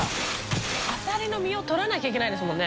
アサリの身を取らなきゃいけないですもんね。